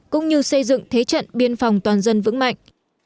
cũng như xây dựng thế trận biên phòng toàn dân vững mạnh